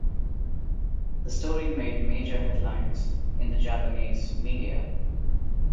The story made major headlines in the Japanese media.